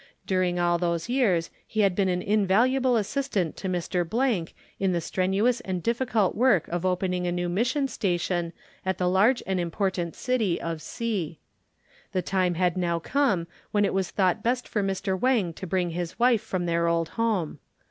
During all those years he had been an invaluable assistant to Mr. —— in the strenuous and difficult work of opening a new mission station at the large and important city of C——. The time had now come when it was thought best for Mr. Wang to bring his wife from their old home.